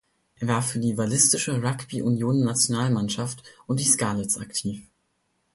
Er war für die Walisische Rugby-Union-Nationalmannschaft und die Scarlets aktiv.